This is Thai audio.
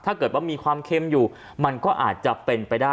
ถ้าเกิดว่ามีความเค็มอยู่มันก็อาจจะเป็นไปได้